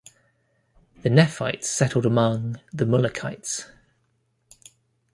The Nephites settled among the Mulekites.